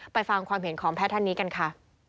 ฟังความเห็นของแพทย์ท่านนี้กันค่ะ